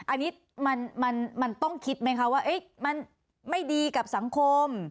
อันนี้มันต้องคิดไหมคะว่ามันไม่ดีกับสังคม